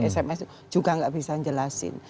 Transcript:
sms itu juga nggak bisa dijelasin